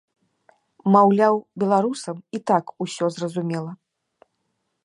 Маўляў, беларусам і так усё зразумела.